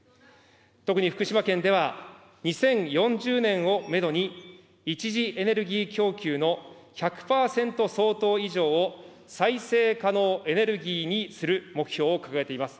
特に福島県では、２０４０年をメドに、一次エネルギー供給の１００％相当以上を、再生可能エネルギーにする目標を掲げています。